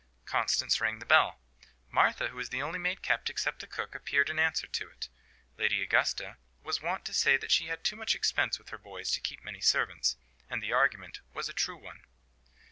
Constance rang the bell. Martha, who was the only maid kept, except the cook, appeared in answer to it. Lady Augusta was wont to say that she had too much expense with her boys to keep many servants; and the argument was a true one.